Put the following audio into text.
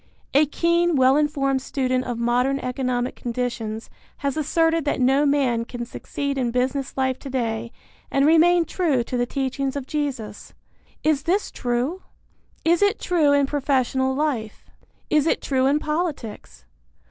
A keen, well informed student of modern economic conditions has asserted that no man can succeed in business life today and remain true to the teachings of Jesus. Is this true? Is it true in professional life? Is it true in politics?